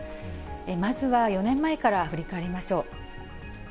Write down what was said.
まずは４年前から振り返りましょう。